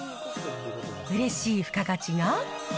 うれしい付加価値が。